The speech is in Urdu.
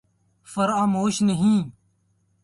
فراموش نہیں